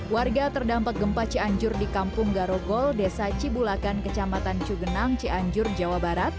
warga terdampak gempa cianjur di kampung garogol desa cibulakan kecamatan cugenang cianjur jawa barat